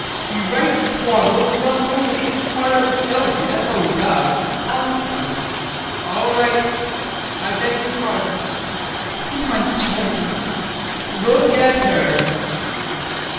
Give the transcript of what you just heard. He writes twaddle, grumbles, and eats his heart out with jealousy; that's all he does. SONIA. [Reproachfully] Uncle! VOITSKI. All right. I beg your pardon. [He points to HELENA] Look at her.